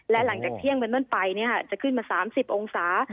และหลังจากเที่ยงเมื่อนนั้นไปเนี่ยค่ะจะขึ้นมา๓๐องศา